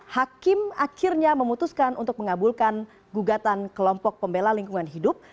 hakim akhirnya memutuskan untuk mengabulkan gugatan kelompok pembela lingkungan hidup